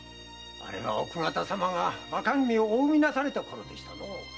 あれは奥方様が若君をお産みなされたころでしたのう。